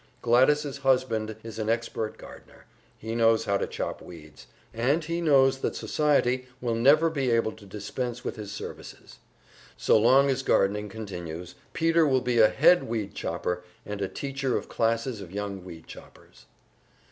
Gladys' husband is an expert gardener, he knows how to chop weeds, and he knows that society will never be able to dispense with his services. So long as gardening continues, Peter will be a head weedchopper, and a teacher of classes of young weedchoppers.